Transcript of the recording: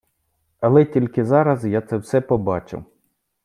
Але тільки зараз я це все побачив